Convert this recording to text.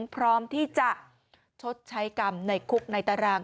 พร้อมที่จะชดใช้กรรมในคุกในตาราง